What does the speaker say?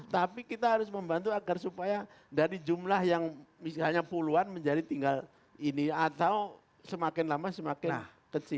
tapi kita harus membantu agar supaya dari jumlah yang misalnya puluhan menjadi tinggal ini atau semakin lama semakin kecil